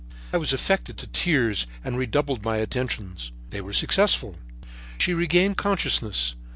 I was affected to tears and redoubled my attentions. They were successful. She regained consciousness.